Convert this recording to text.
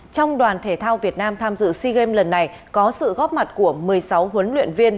trong đoàn thể thao việt nam tham dự sea games lần này có sự góp mặt của một mươi sáu huấn luyện viên